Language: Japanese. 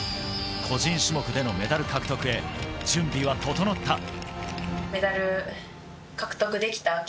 個人種目でのメダル獲得へ、準備は整った。